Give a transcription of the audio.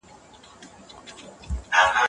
اسلام د انسان غوښتنې مني.